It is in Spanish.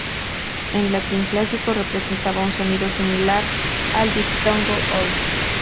En latín clásico representaba un sonido similar al diptongo "oi".